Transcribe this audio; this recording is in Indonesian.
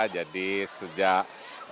jadi sejak dua ribu tujuh